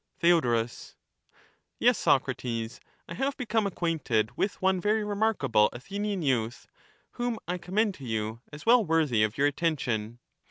1 promise he Theoaorus, Yes, Socrates, I have become acquainted with has dis one very remarkable Athenian youth, whom I commend to covered at you as well worthy of your attention.